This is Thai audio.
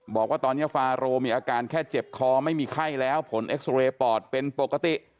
บอกว่าตอนนี้ฟาโรมีอาการแค่เจ็บคอไม่มีไข้แล้วผลเอ็กซอเรย์ปอดเป็นปกติ